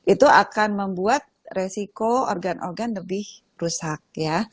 itu akan membuat resiko organ organ lebih rusak ya